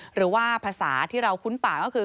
หรือว่าภาษาที่เราคุ้นปากก็คือ